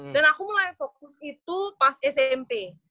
dan aku mulai fokus itu pas smp